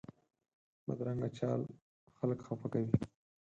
بدرنګه چال خلک خفه کوي